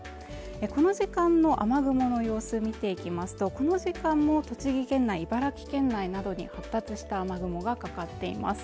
この時間の雨雲の様子見ていきますとこの時間も栃木県内、茨城県内などに発達した雨雲がかかっています